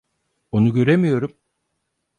Onu göremiyorum.